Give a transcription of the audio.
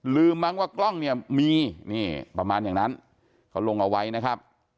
ลืมมั่งว่ากล้องมีประมาณอย่างนั้นเขาลงเอาไว้นะครับ